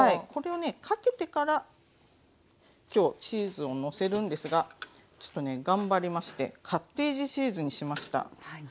これをねかけてからきょうチーズをのせるんですがちょっとね頑張りましてカッテージチーズにしました。